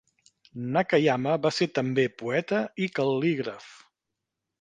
Nakayama va ser també poeta i cal·lígraf.